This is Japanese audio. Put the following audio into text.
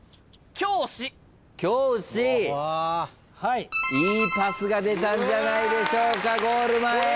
いいパスが出たんじゃないでしょうかゴール前。